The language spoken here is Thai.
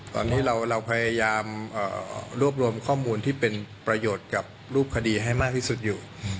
ตอนนี้เราพยายามรวบรวมข้อมูลที่เป็นประโยชน์กับรูปคดีให้มากที่สุดอยู่